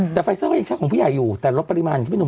แต่ไฟเซอร์ก็ยังใช้ของผู้ใหญ่อยู่แต่ลดปริมาณอย่างที่พี่หนุ่ม